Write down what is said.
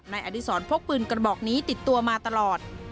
อดีศรพกปืนกระบอกนี้ติดตัวมาตลอด